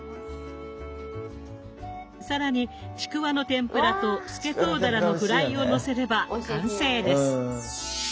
更にちくわの天ぷらとスケトウダラのフライをのせれば完成です。